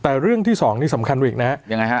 แต่เรื่องที่สองนี่สำคัญอีกนะฮะยังไงฮะ